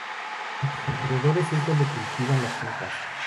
En sus alrededores es donde se cultivan las fincas.